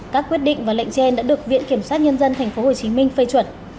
các quyết định và lệnh trên đã được viện kiểm sát nhân dân tp hcm phê chuẩn